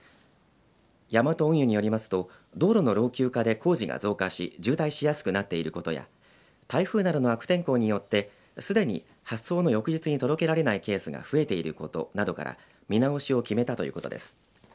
ヤマト運輸によりますと道路の老朽化で工事が増加し渋滞しやすくなっていることや台風などの悪天候によってすでに発送の翌日に届けられないケースが増えていることなどから見直しを決めたということです。